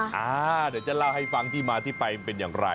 เดี๋ยวจะเล่าให้ฟังที่มาที่ไปมันเป็นอย่างไร